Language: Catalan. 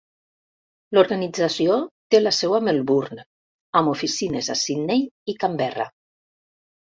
L'organització té la seu a Melbourne amb oficines a Sydney i Canberra.